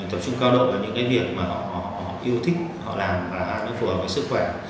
tập trung cao độ vào những cái việc mà họ yêu thích họ làm và nó phù hợp với sức khỏe